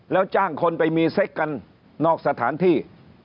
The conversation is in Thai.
แล้วจ้างคนไปมีเซ็กกันนอกสถานที่